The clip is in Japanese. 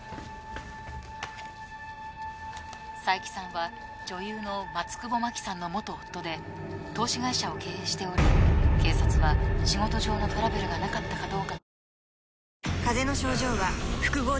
佐伯さんは女優の松久保真希さんの元夫で投資会社を経営しており警察は仕事上のトラブルがなかったかどうか。